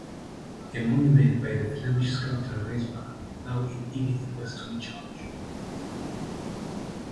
A monument by the Flemish sculptor Rysbrack is now in Edith Weston church.